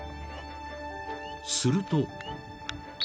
［すると］